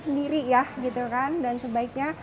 sendiri ya gitu kan dan sebaiknya